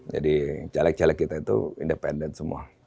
jadi caleg caleg kita itu independen semua